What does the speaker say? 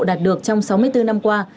đạt được trong sáu mươi bốn năm qua